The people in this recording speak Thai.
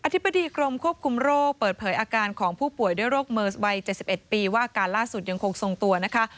ธิบดีกรมควบคุมโรคเปิดเผยอาการของผู้ป่วยด้วยโรคเมิร์สวัย๗๑ปีว่าอาการล่าสุดยังคงทรงตัวนะคะ